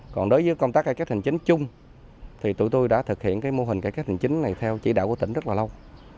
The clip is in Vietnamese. còn đối với công tác cải cách hành chính chung thì tụi tôi đã thực hiện mô hình cải cách hình chính này theo chỉ đạo của tỉnh rất là lâu